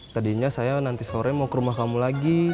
tadinya saya nanti sore mau ke rumah kamu lagi